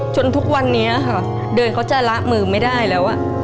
ทุกวันนี้ค่ะเดินเขาจะละมือไม่ได้แล้ว